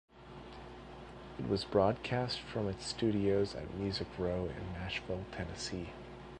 It was broadcast from its studios at Music Row in Nashville, Tennessee.